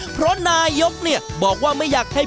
เพราะนายกเนี่ยบอกว่าไม่อยากให้